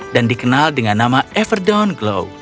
dan dikenal dengan nama everdawn glow